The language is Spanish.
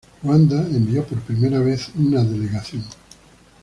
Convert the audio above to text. Ruanda envió por primera vez un delegación.